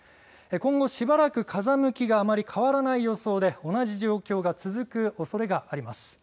今後、しばらく風向きがあまり変わらない予想で同じ状況が続くおそれがあります。